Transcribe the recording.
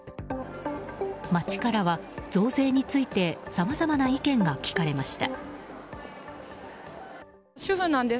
街からは増税についてさまざまな意見が聞かれました。